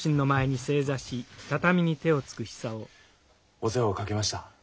お世話をかけました。